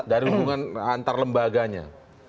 dari hubungan antar lembaganya